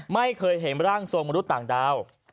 ไม่เคยเห็นร่างทรงมนุษย์ต่างดาว